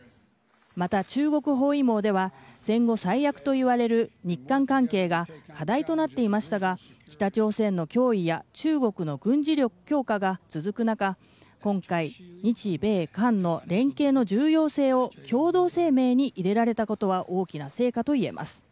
また中国包囲網では戦後最悪といわれる日韓関係が課題となっていましたが北朝鮮の脅威や中国の軍事力強化が続く中、今回日米韓の連携の重要性を共同声明に入れられたことは大きな成果といえます。